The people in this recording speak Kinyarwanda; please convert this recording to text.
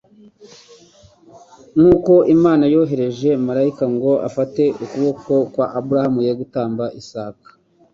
Nkuko Imana yohereje Marayika ngo afate ukuboko kwa Aburahamu ye gutamba Isaka,